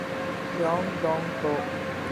Jeong Dong-ho